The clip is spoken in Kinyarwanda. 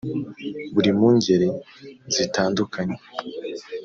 buri mu ngeri zitandukanye